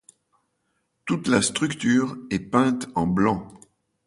Toute la structure est peinte en blanc.